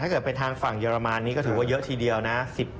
เกิดไปทางฝั่งเยอรมันนี้ก็ถือว่าเยอะทีเดียวนะ